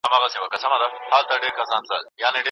څېړونکی باید خپله پوهه وکاروي.